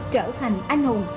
trở thành anh hùng